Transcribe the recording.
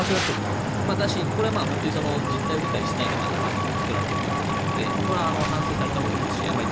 そうだし、これは実態を理解していない方が政策を作られているということなのでこれは反省されたほうがいいしあまり